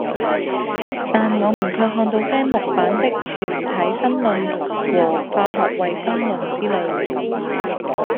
但我們卻看到些木版的《全體新論》和《化學衛生論》之類了。